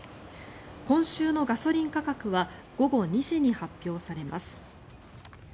今週のガソリン価格は午後２時に発表されます。